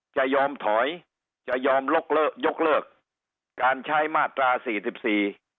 จะยอมถอยจะยอมยกเลิกยกเลิกการใช้มาตราสี่สิบสี่